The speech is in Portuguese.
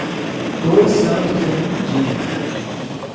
Dois santos em um dia.